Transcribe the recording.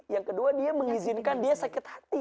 yang kedua dia mengizinkan dia sakit hati